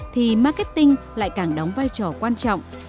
thì marketing lại càng đóng vai trò quan trọng